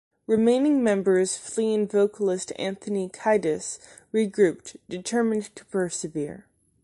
Remaining members Flea and vocalist Anthony Kiedis regrouped, determined to persevere.